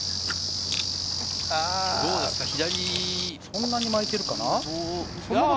そんなにまいているかな？